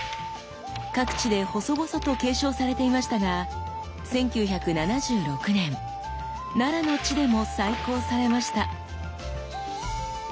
各地で細々と継承されていましたが１９７６年奈良の地でも再興されました。